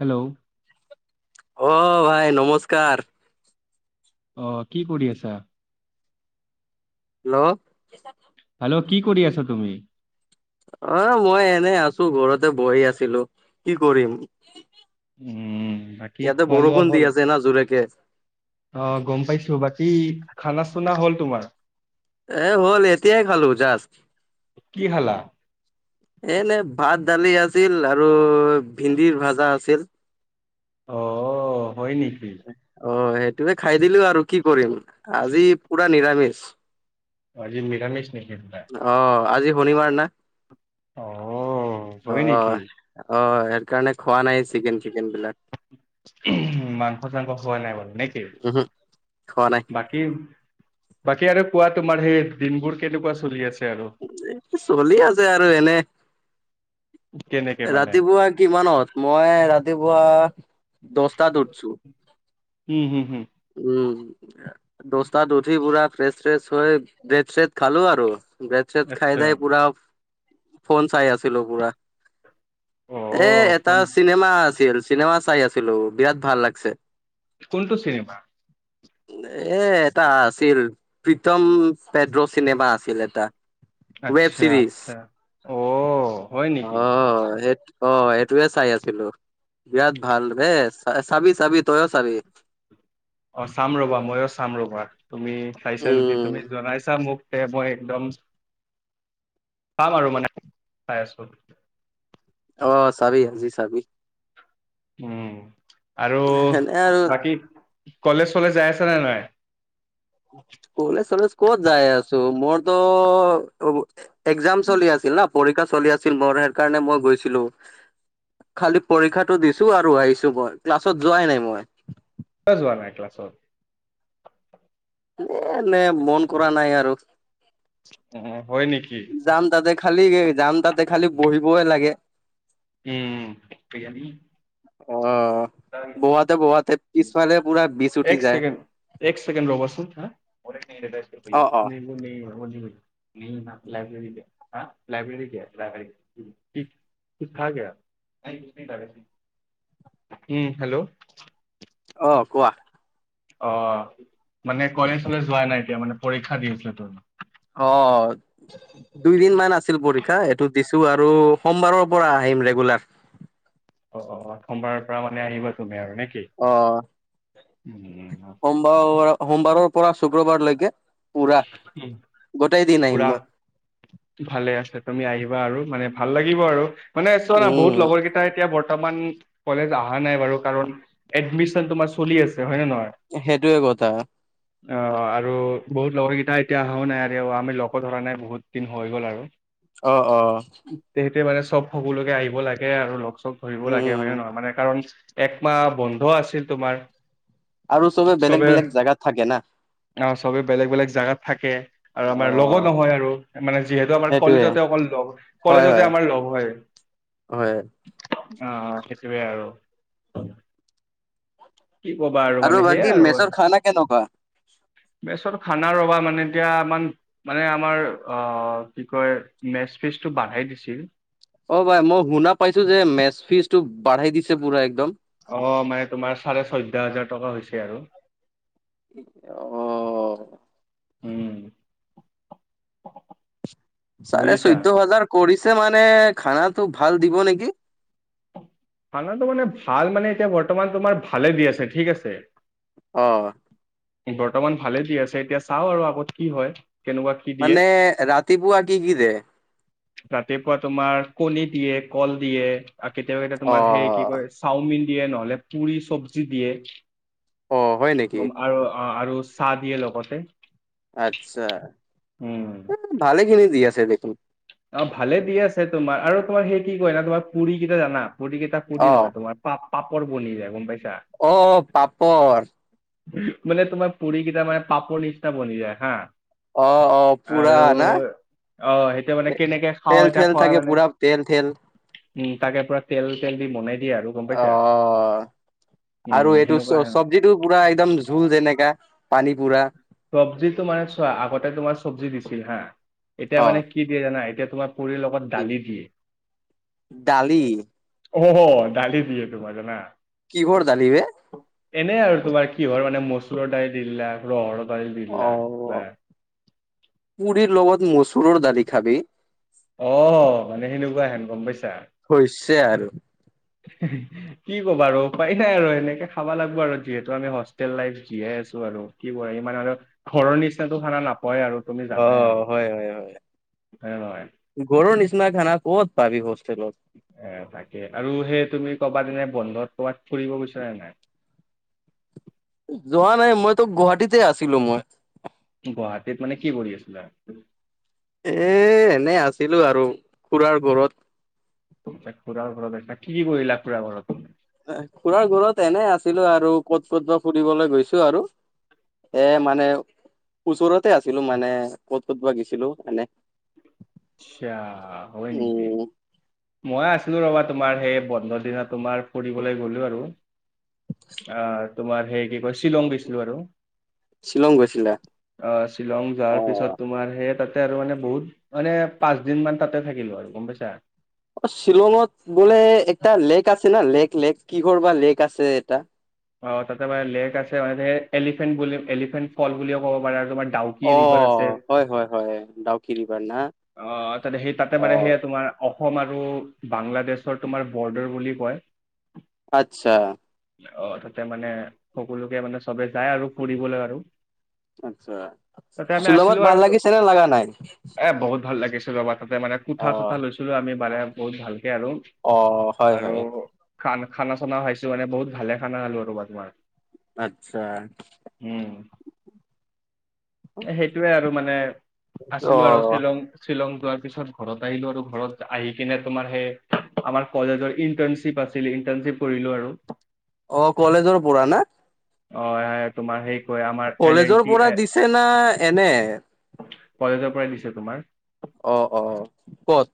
Hello অ ভাই নমস্কাৰ অ কি কৰি আছা? হেল্ল' হেল্ল' কি কৰি আছ‌ তুমি? অ মই এনে আছো ঘৰতে বহি আছিলো, কি কৰিম উম বাকী ইয়াতে খোৱা লোৱা বৰষুণ দি হ'ল আছে না জোৰেকে। অ গম পাইছো, বাকী খানা-চানা হল তোমাৰ? এ হ'ল এতিয়াই খালো জাষ্ট কি খালা? এনে ভাত, দালি আছিল আৰু ভেন্দিৰ ভাজা আছিল। অ হয় নেকি? অ সেইটোৱেই খাই দিলো আৰু কি কৰিম, আজি পুৰা নিৰামিষ। অঁ আজি নিৰামিষ নেকি খালা। অহ আজি শনিবাৰ না অ অ। হয় নেকি অ সেইকাৰণে খোৱা নাই চিকেন-চিকেনবিলাক। মাংস-চাংস খোৱা নাই বাৰু নেকি উহো খোৱা নাই বাকী দিম বাকী আৰু কোৱা তোমাৰ সেই দিনবোৰ কেনেকুৱা চলি আছে আৰু? এই চলি আছে আৰু এনে কেনেকে মানে ৰাতিপুৱা কিমানত মই ৰাতিপুৱা দহটাত উঠিছোঁ। হুম-হুম-হুম। উম, দহটাত উঠি পুৰা ফ্ৰেছ-ফ্ৰেছ হৈ ব্ৰেড-চেড খালো আৰু। ব্ৰেড-চেড খাই আচ্ছা লৈ পুৰা, ফোন চাই আছিলো পুৰা। অ এ এটা কোন চিনেমা আছিল, চিনেমা চাই আছিলো বিৰাট ভাল লাগছে। কোনটো চিনেমা? এ এটা আছিল প্ৰীতম পেড্ৰ চিনেমা আছিল এটা। ৱেব আচ্ছা চিৰিজ, আচ্ছা অ হয় নেকি অ সেই অ এইটোৱেই চাই আছিলো, বিৰাট ভাল হে চাবি-চাবি তইও চাবি। অ চাম ৰবা, ময়ো চাম ৰবা তুমি চাইছা যদি উম। তুমি জনাইছা মোক। তে মই একদম। পাম আৰু মানে চাই আছোঁ। অ চাবি আজি চাবি। উম আৰু সেনে আৰু বাকী কলেজ-চলেজ যাই আছ নে নাই? কলেজ-চলেজ ক'ত যাই আছো মোইতো - একজাম চলি কিয় আছিল না, পৰীক্ষা চলি আছিল মোৰ সেই কাৰণে মই গৈছিলোঁ। খালি পৰীক্ষাটো দিছো আৰু আহিছো মই ক্লাছত যোৱাই নাই মই। কিয় যোৱা নাই ক্লাছত? এ এনে মন কৰা নাই আৰু অ হয় নেকি? যাম তাতে খালি যাম তাতে খালি বহিবই লাগে। উম উম। অ বোৱাতে-বোৱাতে পিছফালে পুৰা বিজ এক উঠি যায়। ছেকেণ্ড এক ছেকেণ্ড ৰবা চোন- অ অ না লাইব্ৰেৰি হা লাইব্ৰেৰি লাইব্ৰেৰী। কিছ খা গ নাইছ ন খে [unintelligible] উম হেল্ল'। অঁ কোৱা? অঁ মানে কলেজ-চলেজ যোৱা নাই এতিয়া মানে পৰীক্ষা দি আছিলে, তোৰ - অঁ দুইদিন মান আছিল পৰীক্ষা এইটো দিছো আৰু সোমবাৰৰ পৰা আহিম ৰেগুলাৰ। অ অ সোমবাৰৰ পৰা মানে আহিবা তুমি আৰু নেকি? অ উম - সোমবাৰ সোমবাৰৰ পৰা শুক্ৰবাৰলৈকে পুৰা উম গোটেই দিন আহিম ফুৰা মই ভালে আছে তুমি আহিবা আৰু মানে ভাল লাগিব আৰু, মানে চোৱা না উম বহুত লগৰকেইটা এতিয়া বৰ্তমান কলেজ আহা নাই বাৰু কাৰণ এডমিছন তোমাৰ চলি আছে হয় নে নহয়? সেইটোয়ে কথা। অঁ আৰু বহুত লগৰ কেইটা এতিয়া অহাও নাই আৰু আমি ল'গো ধৰা নাই বহুত দিন হৈ গ'ল আৰু। অ', অ ', তেতে মানে চব সকলোকে আহিব লাগে আৰু লগ চক ধৰিব লাগে হয় উম নে নহয় মানে কাৰণ একমাহ বন্ধ আছিল তোমাৰ আৰু চবে বেলেগ - বেলেগ জাগাত থাকে না। অ, চবে বেলেগ - বেলেগ জাগাত থাকে। আৰু অ আমাৰ লগো নহয় আৰু মানে যিহেতু আমাৰ সেইটোয়ে কলেজতে অকল লগ হয় কলেজতে হয় আমাৰ লগ হয়। হয়। অঁ সেইটোৱে আৰু। কি কবা আৰু মানে বাকী সেয়াই আৰু মেচৰ খানা কেনেকুৱা বেছত খানা ৰ'বা মানে এতিয়া আমান মানে আমাৰ অ, কি কয় মেচ ফিচটো বাধাই দিছিল। অ, ভাই মই শুনা পাইছো যে মেচ ফিজটো বাঢ়াই দিছে পুৰা একদম? অ মানে তোমাৰ চাৰে চৈধ্য হাজাৰ টকা হৈছে আৰু। অ', উম, চাৰে বুজিছা চৈধ্যহাজাৰ কৰিছে মানে খানাটো ভাল দিব নেকি? খানাটো মানে ভাল মানে এতিয়া বৰ্তমান তোমাৰ ভালে দি আছে ঠিক আছে। অ', বৰ্তমান ভালে দি আছে এতিয়া চাও আৰু আগত কি হয় কেনেকুৱা কি দিয়ে মানে ৰাতিপুৱা কি - কি দে? ৰাতিপুৱা তুমাৰ কণী দিয়ে, কল দিয়ে আৰু কেতিয়াবা কেতিয়াবা অ তোমাৰ সেই কি ক'য় চাওমিন দিয়ে নহলে পুৰি চব্জি দিয়ে। অ, হয় নেকি? উম, আৰু অ, আৰু চাহ দিয়ে লগতে। আচ্ছা উম ভালেখিনি দি আছে দেখোন। অ, ভালে দি আছে তোমাৰ আৰু তোমাৰ সেই কি কয় না তোমাৰ পুৰি কেইটা জানা পুৰি কেইটা অ পুৰি নহয় তোমাৰ পাপ - পাপৰ বনি যায় গম পাইছা? অ, পাপৰ। মানে তোমাৰ পুৰি কেইটা মানে পাপৰ নিচিনা বনি যায় হা। অ অ পুৰা আৰু না অ, সেইটো মানে কেনেকে খাও তেল এতয়া থেল খুৱাই থাকে মানে, পুৰা তেল থেল উম, তাকে পুৰা তেল তেল দি বনাই দিয়ে আৰু। গম অ, পাইছা আৰু উম এইটো সেনেকুৱা চ চব যিটো পুৰা একদম জোল যেনেকা পানী পুৰা। চব্জিতটো মানে চোৱা, আগতে তোমাৰ চব্জি দিছিল হা, এতিয়া অ মানে কি দিয়ে জানা এতিয়া তোমাৰ পুৰিৰ লগত দালি দিয়ে দালি অ, ডালি দিয়ে টোমাৰ জানা? কিহৰ দালিবে? এনেই আৰু তোমাৰ কিহৰ মানে মচুৰৰ দাইল দি দিলা ৰহৰৰ দাইল দি অ দিলা বা পুৰিৰ লগত মচুৰৰ দালি খাবি। অ, মানে সেনেকুৱা সেন গম পাইছা। হৈছে আৰু। হেহে। কি ক'বা আৰু উপায় নাই আৰু সেনেকে খাবা লাগব আৰু যিহেতু আমি হোষ্টেল লাইফ জীয়াই আছো আৰু। কি কোৱা ইমান আৰু ঘৰৰ নিচিনাটো খানা নাপাওয়ে আৰু। তুমি অ জানাই আৰু, হয়নে নহয়। গৰুৰ নিচিনা খানা ক'ত পাবি হোষ্টেলত। এ তাকে আৰু সেই তুমি কৰ'বাত এনে বন্ধত ক'ৰবাত ফুৰিব গৈছা নে নাই। যোৱা নাই মইতো গুৱাহাটীতে আছিলো মই। গুৱাহাটীত মানে কি কৰি আছিলা? এ এনেই আছিলো আৰু খুৰাৰ ঘৰত। খুৰাৰ ঘৰত আছিলা। কি - কি কৰিলা খুৰাৰ ঘৰত? এ খুৰাৰ ঘৰত এনে আছিলোঁ আৰু ক'ত-ক'ত বা ফুৰিবলৈ গৈছো আৰু। এ মানে ওচৰতে আছিলোঁ মানে ক'ত ক'ত বা গেছিলো এনে। আচ্ছা হয় নেকি? মই আছিলো ৰবা তোমাৰ সেই বন্ধৰ দিনা তোমাৰ ফুৰিবলৈ গ'লো আৰু। আহ তোমাৰ সেই কি কয় শ্বিলং গেছিলো আৰু। শ্বিলং গৈছিলা? অ, শ্বিলং অ যোৱাৰ পিছত তোমাৰ, সেই তাতে আৰু মানে বহুত মানে পাঁচদিন মান তাতে থাকিলোঁ আৰু গম পাইছা। অ, শ্বিলঙত বোলে একটা লেক আছে না লেক-লেক কি কৰবা লেক আছে এটা অ, তাতে মানে লেক আছে, মানে হে এলিফেন্ট বুলি এলিফেন্ট ফল বুলিও ক'ব পাৰা আৰু তোমাৰ ডাউট কি অ ৰিভাৰ আছে? হয় হয় হয় ডাউকি ৰিভাৰ না অ, তাতে সেই তাতে অ মানে সেইয়া তোমাৰ অসম আৰু বাংলাদেশৰ তোমাৰ বৰ্ডাৰ বুলি কয়। আচ্ছা। অ, তাতে মানে সকলোকে মানে, চবে যায় আৰু ফুৰিবলে আৰু। আচ্ছা তাতে আমি শ্বিলঙত আছিলোঁ ভাল আৰু, লাগিছে নে লগা নাই এ বহুত ভাল লাগিছিল ৰবা। তাতে মানে অ কোঠা-চোঠা লৈছিলোঁ আমি বাৰে বহুত ভালকে আৰু। অ হয় আৰু হয় খান, খানা-চানা খাইছো, মানে বহুত ভালে খানা খালো ৰ'বা তোমাৰ। আচ্ছা। উম' এ সেইটোৱে আৰু মানে অ আছিলো আৰু শ্বিলং। শ্বিলং যোৱাৰ পিছত ঘৰত আহিলো আৰু ঘৰত আহি কিনে তোমাৰ সে, আমাৰ কলেজৰ ইণ্টাৰ্ণচিপ আছ আছিলে। ইন্টাৰ্ণচিপ কৰিলোঁ আৰু। অ, কলেজৰ পৰা না? অ, হয় তোমাৰ সেই কয় আমাৰ এল এন কলেজৰ টি পৰা দিছে না এনে? কলেজৰ পৰাই দিছে তোমাৰ। অ-অ, ক'ত?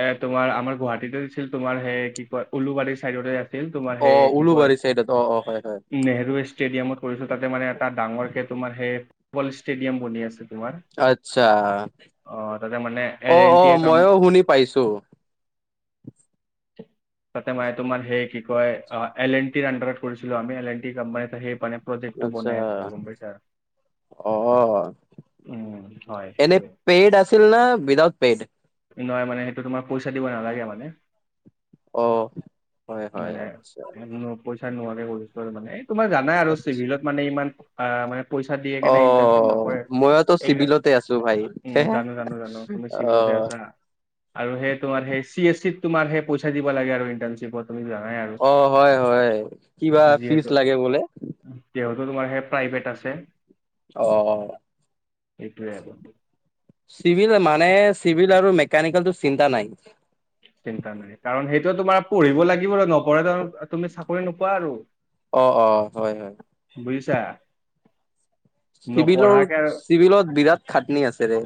এ তোমাৰ, আমাৰ গুৱাহাটীতে দিছিল, তোমাৰ সেই কি কয় উলুবাৰী চাইডতে। আছিল তোমাৰ অ, উলুবাৰী চাইডত অ-অ, হয়-হয়। নেহৰু ষ্টেডিয়ামত কৰিছোঁ, তাতে মানে এটা ডাঙৰকে তোমাৰ সেই ফুটবল ষ্টেডিয়াম বনি আছে তোমাৰ। আচ্ছা, অ তাতে মানে এল এন অ-অ টিয়ে কাম মইয়ো শুনি পাইছোঁ। [unintelligible] [inaudible] তাতে মানে তোমাৰ সেই কি কয় অ' এল এন টিৰ আন্ডাৰত কৰিছিলোঁ আমি, এল এন টি কোম্পানীত সেই মানে প্ৰজেক্টতো আচ্ছা বনাই আছোঁ, গম পাইছা। অ, উম হয় এনে সেইটোৱে পেইড আছিল না, উইদাউট পেইড? নহয় মানে সেইটো তোমাৰ পইচা দিব নালাগে মানে। অ, হয়-হয় মানে আচ্চা। ন- পইচা নোৱাৰে কৰিছো আৰু মানে এ তোমাৰ জানাই আৰু আচ্ছা চিভিলত মানে ইমান অ' মানে পইচা দিয়ে অ, কেনে ইণ্টাৰ্ণশ্বিপ নকৰে মইতো চিভিলতে আছো। ভাই উম, জানো জানো জানো তুমি [inaudible] অ। চিভিলতে আছা আৰু সে তোমাৰ সেই, চি এছ চি তোমাৰ সেই পইচা দিব লাগে আৰু ইণ্টাৰণশিপত। অ, হয়-হয় কিবা ফিজ লাগে বোলে? তেওঁতো তোমাৰ সেই প্ৰাইভেট আছে। অ। সেইটোৱে আৰু চিভিল মানে চিভিল আৰু মেকানিকেলটো চিন্তা নাই। চিন্তা নাই, কাৰণ সেইটোৱে তোমাৰ পঢ়িব লাগিব, নপঢ়াকে ত তুমি চাকৰি নোপোৱা আৰু। অ-অ, হয় হয়। বুজিছা? চিভিলৰ, নপঢ়াকে আৰু চিভিলত বিৰাট খাটনি আছে ৰে।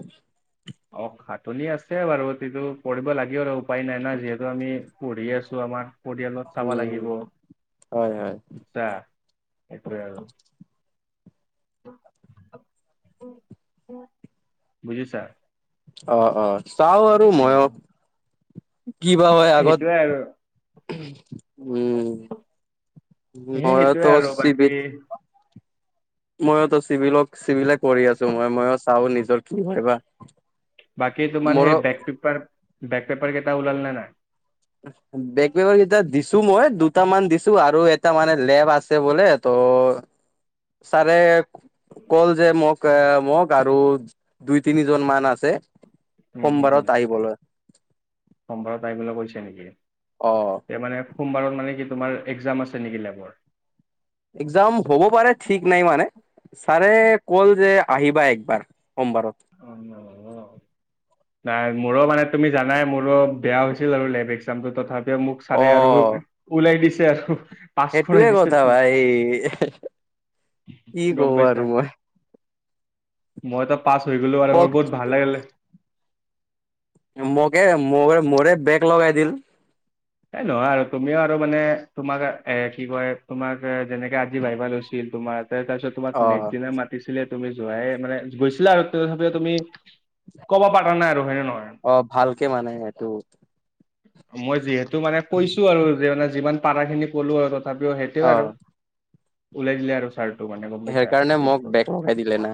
অ, খাটনি আছে বাৰু, কিন্তু কৰিব লাগে আৰু উপায় নাই না যিহেতু আমি পঢ়ি আছো আমাৰ পৰিয়ালত। চাব উম লাগিব। হয় হয় বুজিছা সেইটোৱে আৰু। বুজিছা? অ অ চাও আৰু মইও উম। কি বা হয় আগত। সেইটোৱে আৰু উম সেই মইয়ট সেইটোৱে আৰু চিবিত বাকী ময়োতো চিভিলক চিবিলে কৰি আছো মই ময়ো চাওঁ নিজৰ কি হয় বা। বাকী তোমাৰ মোৰো সেই বেক পেপাৰ বেক পেপাৰ কেইটা ওলাল নে নাই? বেগ পেপাৰ কেইটা দিছো মই দুটামান দিছো, আৰু এটা মানে লেব আছে বোলে ত চাৰে কল যে মোক এ মোক আৰু দুই তিনিজন মান আছে। সোমবাৰত আহিবলৈ। সোবাৰত আহিবলে কৈছে নেকি? অ। এ মানে সোমবাৰত মানে কি তোমাৰ একজাম আছে নেকি লেবৰ? একজাম হ'ব পাৰে ঠিক নাই মানে। ছাৰে কল যে আহিবা একবাৰ সোমবাৰত। অ। নাই মোৰো মানে তুমি জানাই মোৰো বেয়া হৈছিল আৰু লেব এক্সামটো তথাপ- পিও মোক অ চাৰে আৰু ওলাই দিছে আৰু। পাছ খৰাই সেইটোয়ে দিছে কথা তোখ, ভাই কি গম কব আৰু পাইছা? মই মইতো পাছ হৈ গলো আৰু কওক মোৰ বহুত ভাল লাগিলে। মোকে মোক মোৰে বেগ লগাই দিল। এ নহয় আৰু তুমিও আৰু মানে তোমাক এ কি কয় তোমাক যেনেকে আজি ভাবিবা লৈছ- ছিল তোমাৰ তাতে তাছত তোমাক অ নেক্সট দিনা মাতিছিলে তুমি যোৱাই মানে গৈছিলা আক তথাপিও তুমি ক'বা পাৰা নাই আৰু হয়নে নহয়। অ ভালকে মানে সেইটো মই যিহেতু মানে কৈছো আৰু যে মান যিমান পাৰাখিনি কলো আৰু তথাপিও অ সেইটোৱে আৰু। ওলাই দিলে আৰু ছাৰ। সেই কাৰণে মোক বেগ লগাই দিলে না।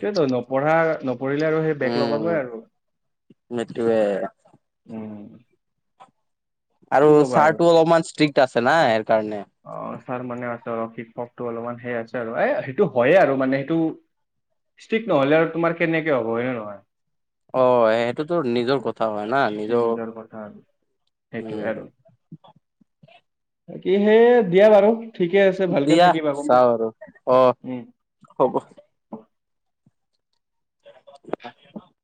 সেটোৱে ত নপঢ়া ন- উম তেটোৱে। উম। আৰু কি ক'বা ছাৰটো অলপমান ষ্ট্ৰিক্ট আছে না সেই কাৰণে। অ ছাৰ মানে আছে অলপ, শিক্ষকটো অলপমান সেই আছে আৰু এ সেইটো হয়য়ে আৰু মানে সেটো ষ্টিক নহ'লে আৰু তোমাৰ কেনেকে হ'ব, হয় নে নহয়? অ সেইটোতো নিজৰ কথা হয় না নিজ- নিজৰ কথা আৰু সেইটোৱে আৰু বাকী সেয়ে দিয়া বাৰু। ঠিকে আছে ভালকে দিয়া থাকিবা গম চাও আৰু অ পাইছা। উম হ'ব। [unintelligible]